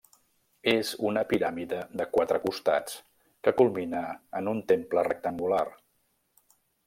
És una piràmide de quatre costats que culmina en un temple rectangular.